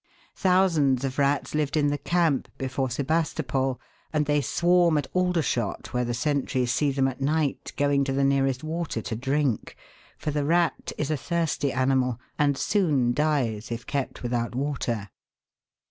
Thousands of rats lived in the camp before Sebastopol, and they swarm at Aldershot, where the sentries see them at night going to the nearest water to drink, for the rat is a thirsty animal, and soon dies if kept without water.